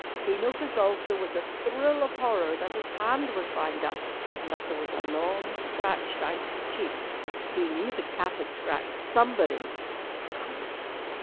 He noticed, also, with a thrill of horror, that his hand was bound up, and that there was a long scratch down his cheek. He knew the cat had scratched somebody, but ... Crumbs!